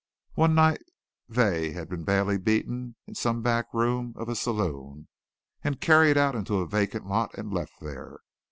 One night Vey had been badly beaten in some back room of a saloon and carried out into a vacant lot and left there.